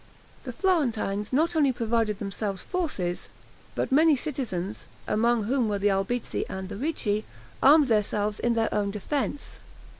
The Florentines not only provided themselves forces, but many citizens, among whom were the Albizzi and the Ricci, armed themselves in their own defense.